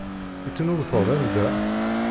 I tneṭweḍ anda?